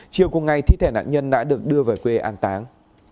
chiều cùng ngày thi thể nạn nhân đã được đưa về quê an táng